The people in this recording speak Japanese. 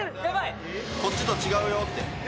こっちと違うよって。